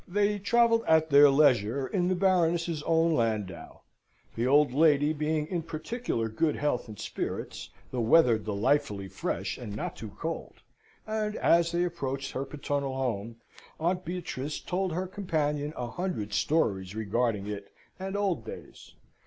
They travelled at their leisure in the Baroness's own landau; the old lady being in particular good health and spirits, the weather delightfully fresh and not too cold; and, as they approached her paternal home, Aunt Beatrice told her companion a hundred stories regarding it and old days.